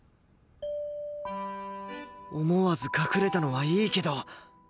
思わず隠れたのはいいけど